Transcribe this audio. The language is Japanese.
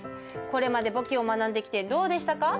これまで簿記を学んできてどうでしたか？